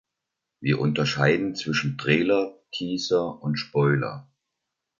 Wir unterscheiden zwischen Trailer, Teaser und Spoiler.